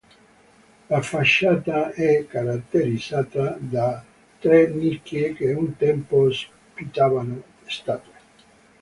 La facciata è caratterizzata da tre nicchie che un tempo ospitavano statue.